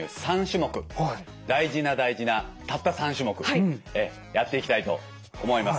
３種目大事な大事なたった３種目やっていきたいと思います。